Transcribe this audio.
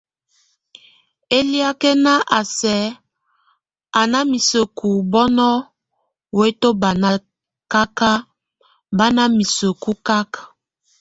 Eliakɛn a sɛk a ná miseku bɔ́ŋɔ weto bá nakak, bá na miseku kak.